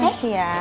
terima kasih ya